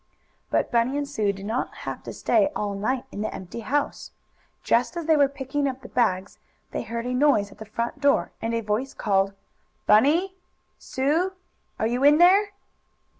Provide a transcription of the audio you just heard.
But Bunny and Sue did not have to stay all night in the empty house. Just as they were picking up the bags, they heard a noise at the front door and a voice called: "Bunny! Sue! Are you in there?"